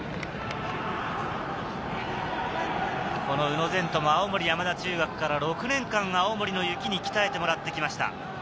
この宇野禅斗も青森山田中学から６年間、青森の雪に鍛えてもらってきました。